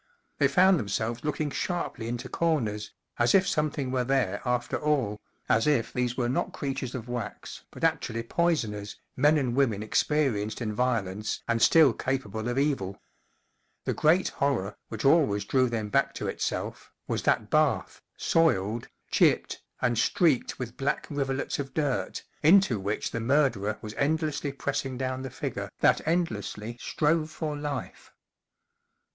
They found them¬ selves looking sharply into corners as if something were there after all, as if these were not creatures of wax, but actually poisoners, men and women ex¬ perienced in violence and still capable of evil. The great horror, which always drew them back to itself, was that bath, soiled, chipped, and streaked with black rivulets of dirt, into which the murderer was endlessly pressing down the figure that endlessly strove for life.